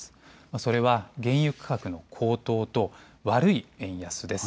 それは原油価格の高騰と悪い円安です。